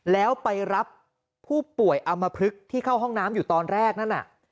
แล้วไปรับผู้ป่วยอำมพลึกที่เข้าห้องน้ำอยู่ตอนแรกนั่นน่ะ